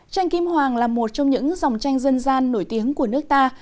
tranh kim hoàng là một trong những dòng tranh dân gian nổi tiếng của nước ta